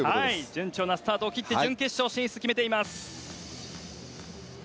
順調なスタートを切って準決勝進出を決めています。